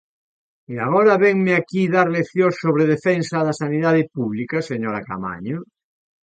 E ¿agora vénme aquí dar leccións sobre a defensa da sanidade pública, señora Caamaño?